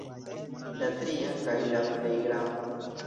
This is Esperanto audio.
La tria, kaj la plej grava.